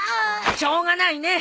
しょうがないね。